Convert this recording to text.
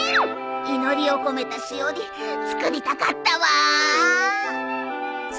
祈りを込めたしおり作りたかったわ。